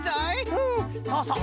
うんそうそう。